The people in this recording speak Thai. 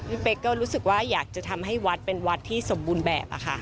เป๊กก็รู้สึกว่าอยากจะทำให้วัดเป็นวัดที่สมบูรณ์แบบค่ะ